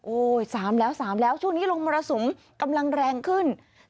๓แล้ว๓แล้วช่วงนี้ลมมรสุมกำลังแรงขึ้น